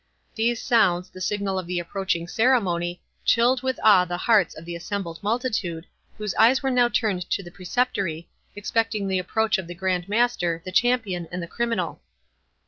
These sounds, the signal of the approaching ceremony, chilled with awe the hearts of the assembled multitude, whose eyes were now turned to the Preceptory, expecting the approach of the Grand Master, the champion, and the criminal.